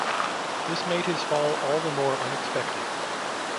This made his fall all the more unexpected.